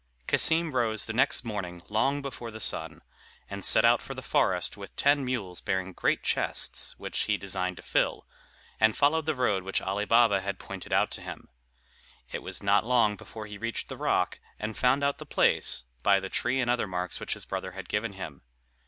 Cassim rose the next morning long before the sun, and set out for the forest with ten mules bearing great chests, which he designed to fill, and followed the road which Ali Baba had pointed out to him. It was not long before he reached the rock, and found out the place, by the tree and other marks which his brother had given him.